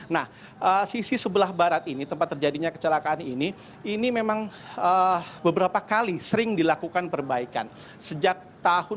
nah sisi sebelah barat ini tempat terjadinya kecelakaan ini ini memang beberapa kali sering dilakukan perbaikan